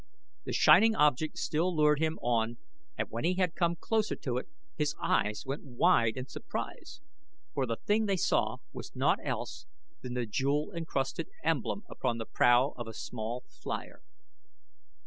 The shining object still lured him on and when he had come closer to it his eyes went wide in surprise, for the thing they saw was naught else than the jewel encrusted emblem upon the prow of a small flier.